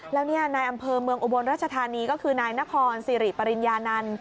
แล้วนายอำเภอเมืองอุบลราชธานีก็คือนายนครสิริปริญญานันต์